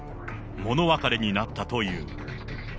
物別れになったという。